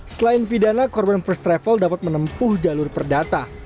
selain pidana korban first travel dapat menempuh jalur perdata